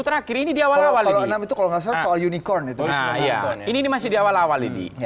terakhir ini diawal awal